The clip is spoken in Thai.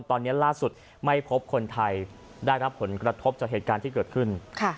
ตอนนี้ล่าสุดไม่พบคนไทยได้รับผลกระทบจากเหตุการณ์ที่เกิดขึ้น